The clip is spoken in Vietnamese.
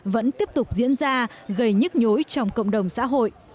vẫn tiếp tục diễn ra gây nhức nhối trong cộng đồng xã hội